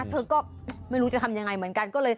เธอก็ไม่รู้จะทำยังไงเหมือนกัน